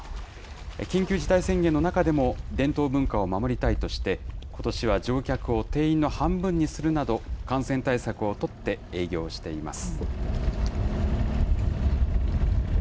緊急事態宣言の中でも伝統文化を守りたいとして、ことしは乗客を定員の半分にするなど、感染対策を取って営業しています。